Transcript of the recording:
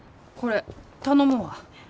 これ頼むわ。